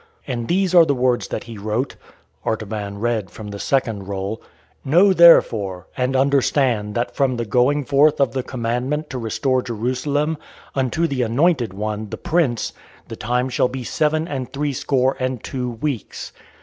And these are the words that he wrote." (Artaban read from the second roll:) "'Know, therefore, and understand that from the going forth of the commandment to restore Jerusalem, unto the Anointed One, the Prince, the time shall be seven and threescore and two weeks.'"